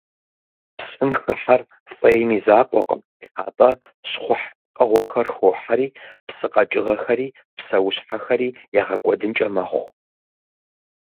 Псым хыхьэр фӀейм и закъуэкъым, атӀэ щхъухь пкъыгъуэхэр хохьэри псы къэкӀыгъэхэри псэущхьэхэри ягъэкӀуэдынкӀэ мэхъу.